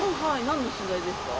何の取材ですか？